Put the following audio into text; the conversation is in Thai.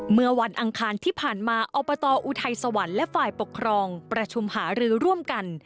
เมื่อวันอังคารที่ผ่านมาอบตออุทัยสวรรค์และฝ่ายปกครองประชุมหารือร่วมกัน